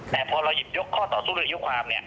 แต่พอเรายกยกข้อต่อสู้เรื่องอายุความเนี่ย